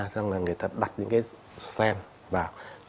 xong rồi người ta đặt những cái stand vào